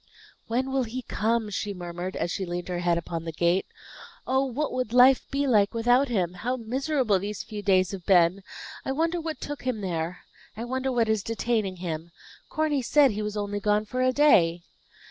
"When will he come home?" she murmured, as she leaned her head upon the gate. "Oh, what would life be like without him? How miserable these few days have been! I wonder what took him there! I wonder what is detaining him! Corny said he was only gone for a day."